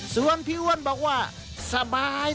ส่วนพี่อ้วนบอกว่าสบาย